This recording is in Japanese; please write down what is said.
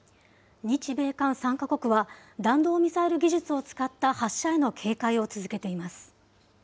日米韓３か国は、弾道ミサイル技術を使った発射への警戒を続